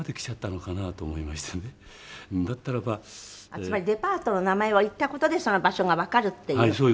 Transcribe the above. つまりデパートの名前を言った事でその場所がわかるっていう。